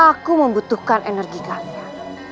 aku membutuhkan energi kalian